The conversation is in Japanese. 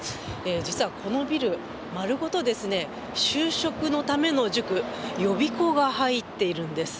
実はこのビル丸ごと就職のための塾、予備校が入っているんです。